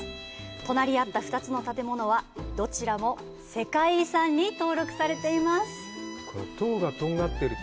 隣り合った２つの建物はどちらも世界遺産に登録されています。